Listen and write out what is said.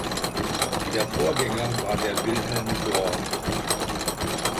Der Vorgänger war der Wilhelm d’or.